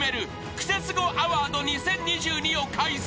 クセスゴアワード２０２２を開催］